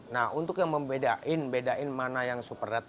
nah untuk yang membedakan mana yang super red